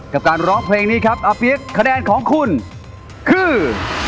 กับการร้องเพลงนี้ครับอาเปี๊ยกคะแนนของคุณคือ